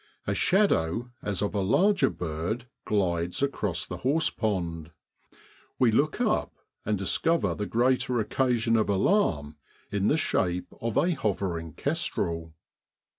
A shadow as of a larger bird glides across the horsepond. We look up, and discover the greater occasion of alarm in the shape of a hovering kestrel.